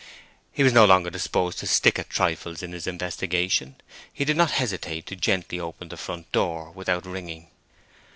He was no longer disposed to stick at trifles in his investigation, and did not hesitate to gently open the front door without ringing.